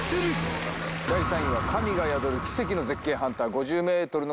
第３位は神が宿る奇跡の絶景ハンター。